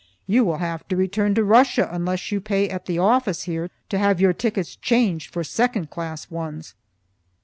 You will have to return to Russia unless you pay at the office here to have your tickets changed for second class ones."